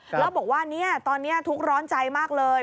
แล้วบอกว่าตอนนี้ทุกข์ร้อนใจมากเลย